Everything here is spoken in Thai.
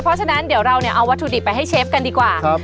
เพราะฉะนั้นเดี๋ยวเราเนี่ยเอาวัตถุดิบไปให้เชฟกันดีกว่า